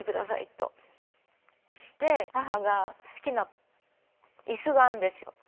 で母が好きなイスがあるんですよ。